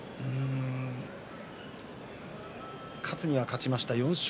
勝つには勝ちました。